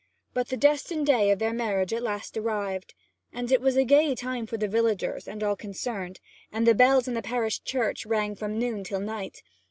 But the destined day of their marriage at last arrived, and it was a gay time for the villagers and all concerned, and the bells in the parish church rang from noon till night.